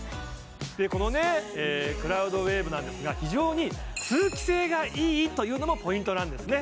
このクラウドウェーブなんですが非常に通気性がいいというのもポイントなんですね